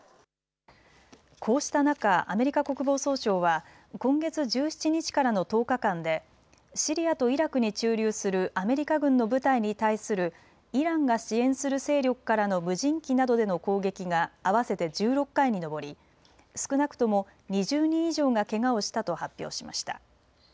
こうした中、アメリカ国防総省は今月１７日からの１０日間でシリアとイラクに駐留するアメリカ軍の部隊に対するイランが支援する勢力からの無人機などでの攻撃が合わせて１６回に上り少なくとも２０人以上がけがをしたと発表しました。